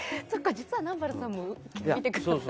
実は南原さんも見てくださってて。